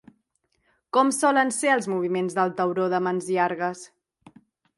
Com solen ser els moviments del tauró de mans llargues?